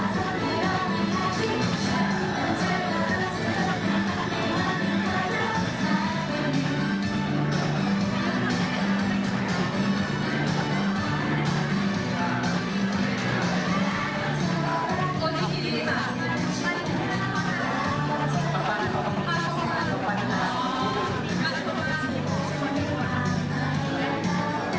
เป็นนายยกรัฐมนตรีต้องทำได้ทุกอย่างค่ะ